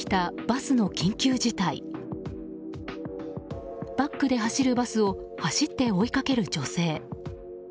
バックで走るバスを走って追いかける女性。